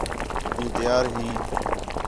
تُو تیار ہیں